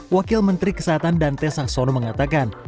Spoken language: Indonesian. wakil menteri kesehatan dante sangsono mengatakan